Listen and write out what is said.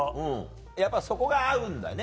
やっぱそこが合うんだね